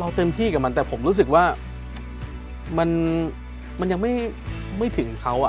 เราเต็มที่กับมันแต่ผมรู้สึกว่ามันมันยังไม่ไม่ถึงเขาอ่ะ